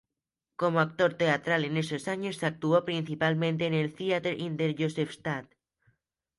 Como actor teatral en esos años actuó principalmente en el Theater in der Josefstadt.